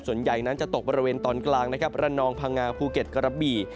ส่วนใหญ่นั้นจะตกบริเวณตอนกลางนะครับระนองพังงาภูเก็ตกระบี่